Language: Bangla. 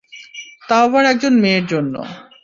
তাও আবার একজন মেয়ের জন্য।